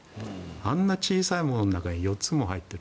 あんな小さいものの中に４つも入っている。